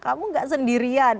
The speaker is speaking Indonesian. kamu gak sendirian